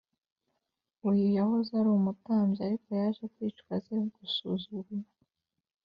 uyu yahoze arumutambyi ariko yaje kwicwa azira gusuzugura